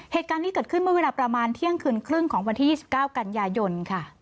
เหตุการณ์นี้เกิดขึ้นเมื่อเวลาประมาณเที่ยงคืนครึ่งของวันที่๒๙กันยายนค่ะ